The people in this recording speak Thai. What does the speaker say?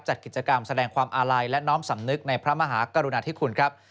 จัดกิจกรรมแสดงความอาลัยและน้อมสำนึกในพระมหากรุณาธิคุณครับ